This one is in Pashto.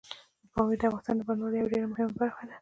پامیر د افغانستان د بڼوالۍ یوه ډېره مهمه برخه ده.